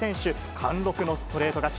貫録のストレート勝ち。